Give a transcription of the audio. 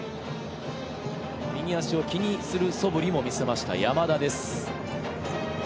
右足を気にするそぶりも見せました、山田です。